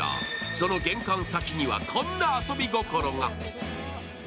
その玄関先には、こんな遊び心が。